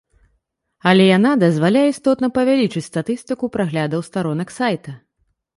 Але яна дазваляе істотна павялічыць статыстыку праглядаў старонак сайта.